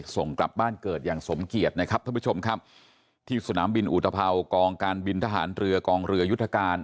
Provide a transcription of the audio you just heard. ส่งกลับบ้านเกิดอย่างสมเกียรตินะครับท่านผู้ชมครับที่สนามบินอุตภัวกองการบินทหารเรือกองเรือยุทธการ